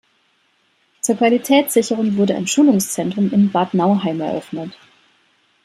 Zur Qualitätssicherung wurde ein Schulungszentrum in Bad Nauheim eröffnet.